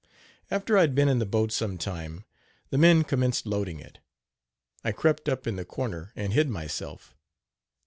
After I had been in the boat some time, the men commenced loading it. I crept up in the corner and hid myself.